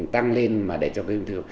tăng lên mà để cho cái ung thư